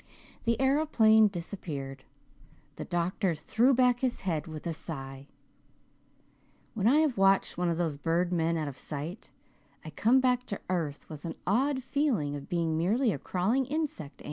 The aeroplane disappeared. The doctor threw back his head with a sigh. "When I have watched one of those bird men out of sight I come back to earth with an odd feeling of being merely a crawling insect.